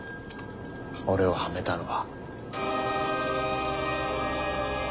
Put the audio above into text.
俺をはめたのは。